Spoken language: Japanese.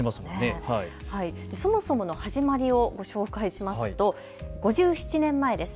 そもそもの始まりを紹介しますと５７年前です。